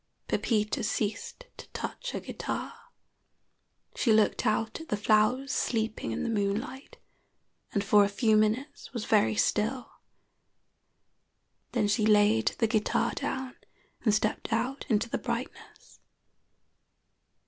Pepita ceased to touch her guitar. She looked out at the flowers sleeping in the moonlight, and for a few minutes was very still; then she laid the guitar down and stepped out into the brightness.